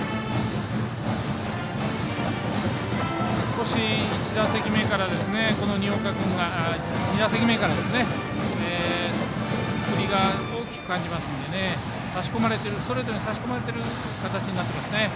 少し２打席目から新岡君が振りが大きく感じますのでストレートに差し込まれている形になってますね。